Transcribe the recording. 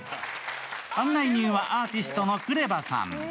案内人はアーティストのＫＲＥＶＡさん。